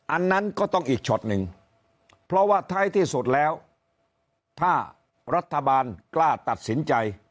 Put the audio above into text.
อันนั้นก็ต้องอีกช็อตหนึ่งเพราะว่าท้ายที่สุดแล้วถ้ารัฐบาลกล้าตัดสินใจ